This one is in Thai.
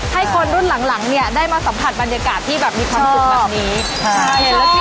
ให้คนรุ่นหลังหลังเนี่ยได้มาสัมผัสบรรยากาศที่แบบมีความสุขแบบนี้